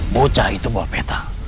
bocah itu buat peta